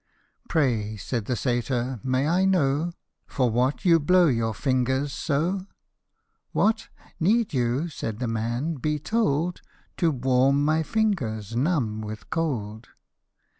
" Pray," said the Satyr, " may I know For what you blow your fingers so ?" "What ! need you," said the man, " bt told ? To warm my fingers, 'numb'd with cold."